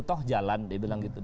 toh jalan dia bilang gitu